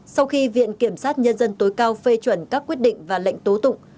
sau khi viện kiểm sát nhân dân tối cao phê chuẩn các quyết định và lệnh tố tụng